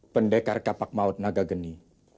pendekar kapak maut nagageni